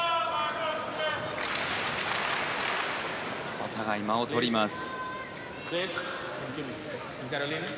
お互い、間をとります。